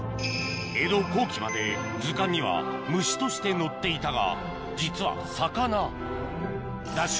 江戸後期まで図鑑には虫として載っていたが実は魚ＤＡＳＨ